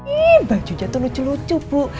ihh bajunya tuh lucu lucu bu